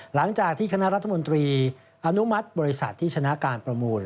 หลังจากที่คณะรัฐมนตรีอนุมัติบริษัทที่ชนะการประมูล